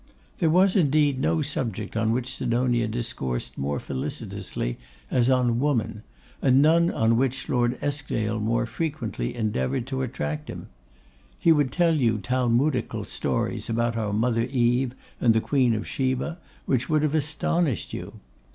There was, indeed, no subject on which Sidonia discoursed so felicitously as on woman, and none on which Lord Eskdale more frequently endeavoured to attract him. He would tell you Talmudical stories about our mother Eve and the Queen of Sheba, which would have astonished you.